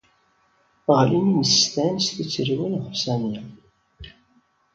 Ɣlin yimsestan s tuttriwin ɣef Sami.